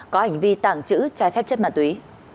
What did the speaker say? có hành vi tảng chữ trái phép chất mạng túy